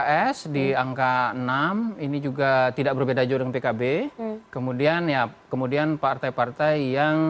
pks di angka enam ini juga tidak berbeda jauh dengan pkb kemudian ya kemudian partai partai yang